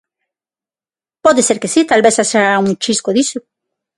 Pode ser que si, talvez haxa un chisco diso.